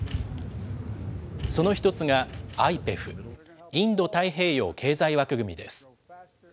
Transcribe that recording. その１つが、ＩＰＥＦ・インド太平洋経済枠組みです。